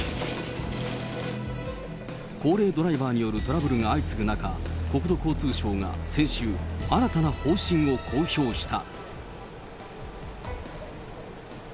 高齢ドライバーによるトラブルが相次ぐ中、国土交通省が先週、新たな方針を公表した。